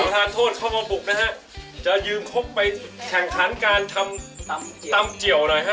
ทานโทษเข้ามาบุกนะฮะจะยืมครบไปแข่งขันการทำตำเจียวหน่อยฮะ